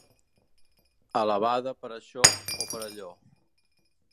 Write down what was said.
Alabada per això o per allò.